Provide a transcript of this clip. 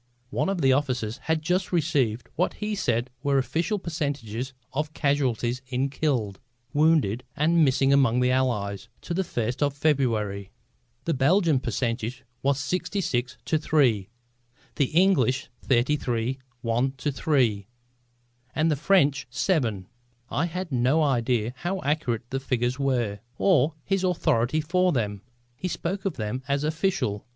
One of the officers had just received what he said were official percentages of casualties in killed, wounded and missing among the Allies, to the first of February. The Belgian percentage was 66 2 3, the English 33 1 3 and the French 7. I have no idea how accurate the figures were, or his authority for them. He spoke of them as official.